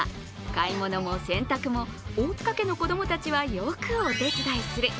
買い物も洗濯も大塚家の子供たちはよくお手伝いする。